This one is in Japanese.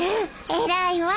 偉いわ。